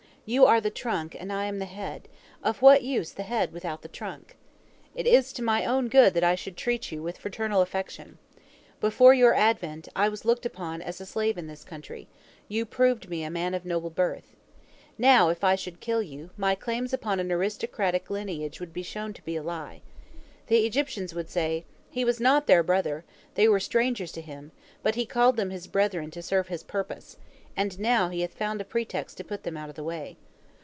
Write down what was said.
You are the trunk and I am the head—of what use the head without the trunk? It is to my own good that I should treat you with fraternal affection. Before your advent, I was looked upon as a slave in this country—you proved me a man of noble birth. Now, if I should kill you, my claims upon an aristocratic lineage would be shown to be a lie. The Egyptians would say, He was not their brother, they were strangers to him, he but called them his brethren to serve his purpose, and now he hath found a pretext to put them out of the way.